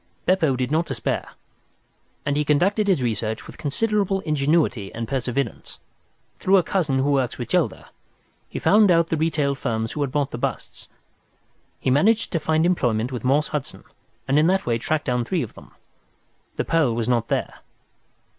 Beppo did not despair, and he conducted his search with considerable ingenuity and perseverance. Through a cousin who works with Gelder, he found out the retail firms who had bought the busts. He managed to find employment with Morse Hudson, and in that way tracked down three of them. The pearl was not there.